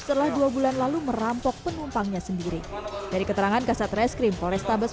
setelah dua bulan lalu merampok penumpangnya sendiri dari keterangan kasat reskrim polrestabes